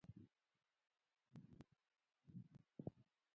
زه یوازې ځم د خدای په امان.